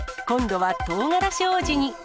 今度はとうがらし王子に。